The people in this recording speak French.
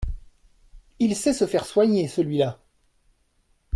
Il sait se faire soigner, celui-là !